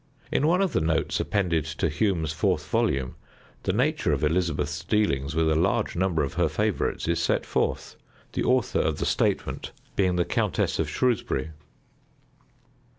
In one of the notes appended to Hume's fourth volume, the nature of Elizabeth's dealings with a large number of her favorites is set forth, the author of the statement being the Countess of Shrewsbury.